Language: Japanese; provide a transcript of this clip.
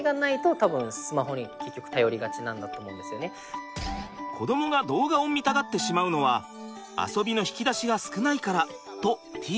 結局子どもが動画を見たがってしまうのは遊びの引き出しが少ないからとてぃ